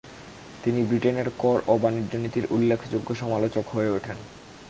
তিনি ব্রিটেনের কর ও বাণিজ্য নীতির উল্লেখযোগ্য সমালোচক হয়ে ওঠেন।